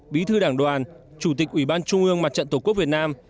bí thư đảng đoàn chủ tịch ủy ban trung ương mặt trận tổ quốc việt nam